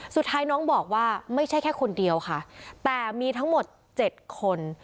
สุดท้ายน้องบอกว่าไม่ใช่แค่คนเดียวค่ะแต่มีทั้งหมด๗คน